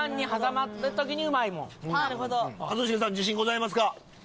一茂さん自信ございますか？